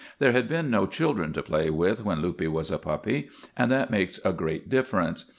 There had been no children to play with when Luppe was a puppy, and that makes a great difference.